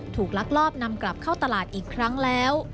ลักลอบนำกลับเข้าตลาดอีกครั้งแล้ว